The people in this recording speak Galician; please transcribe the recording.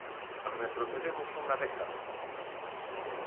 Retrocedemos unha década.